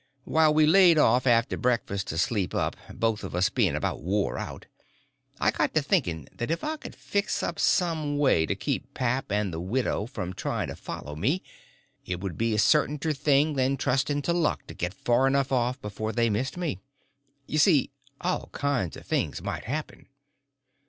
While we laid off after breakfast to sleep up, both of us being about wore out, I got to thinking that if I could fix up some way to keep pap and the widow from trying to follow me, it would be a certainer thing than trusting to luck to get far enough off before they missed me; you see, all kinds of things might happen.